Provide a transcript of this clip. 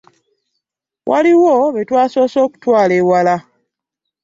Waliwo be twasoose okutwala ewala.